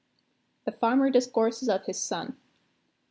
The Farmer Discourses of his Son.